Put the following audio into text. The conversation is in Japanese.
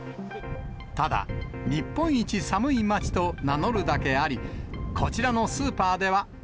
ただ、日本一寒い町と名乗るだけあり、こちらのスーパーでは。